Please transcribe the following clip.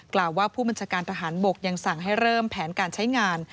กล่าวว่าผู้บัญชาการทหารบกยังสั่งให้เริ่มแผนการใช้งาน